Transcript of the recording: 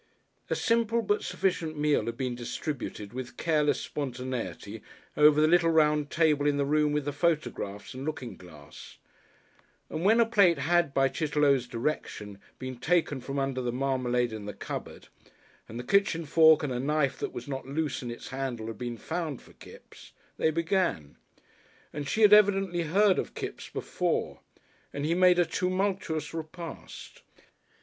A simple but sufficient meal had been distributed with careless spontaneity over the little round table in the room with the photographs and looking glass, and when a plate had by Chitterlow's direction been taken from under the marmalade in the cupboard and the kitchen fork and a knife that was not loose in its handle had been found for Kipps they began and she had evidently heard of Kipps before, and he made a tumultuous repast.